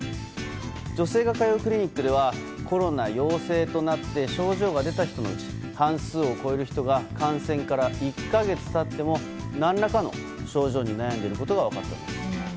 女性が通うクリニックではコロナ陽性となって症状が出た人のうち半数を超える人が感染から１か月経っても何らかの症状に悩んでいることが分かっています。